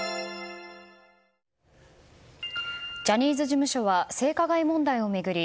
ジャニーズ事務所は性加害問題を巡り